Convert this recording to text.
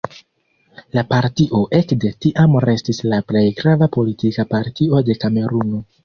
La partio ekde tiam restis la plej grava politika partio de Kameruno.